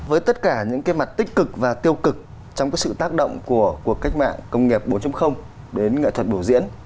với tất cả những cái mặt tích cực và tiêu cực trong cái sự tác động của cuộc cách mạng công nghiệp bốn đến nghệ thuật biểu diễn